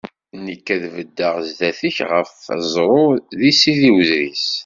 Nekk ad d-beddeɣ zdat-k ɣef weẓru, di Sidi Udris.